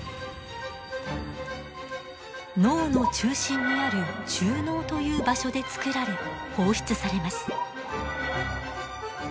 脳の中心にある中脳という場所で作られ放出されます。